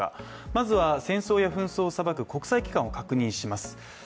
まずは、戦争や紛争を裁く国際機関を確認します。